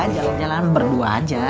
jalan jalan berdua aja